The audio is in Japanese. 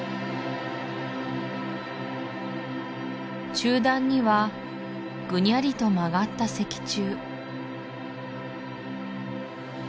中段にはぐにゃりと曲がった石柱